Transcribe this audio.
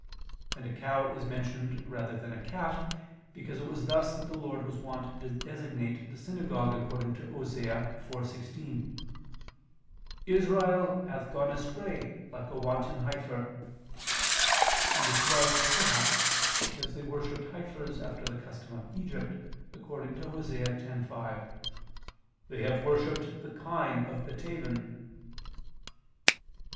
And a cow is mentioned rather than a calf, because it was thus that the Lord was wont to designate the synagogue, according to Osee 4:16: "Israel hath gone astray like a wanton heifer": and this was, perhaps, because they worshipped heifers after the custom of Egypt, according to Osee 10:5: "(They) have worshipped the kine of Bethaven."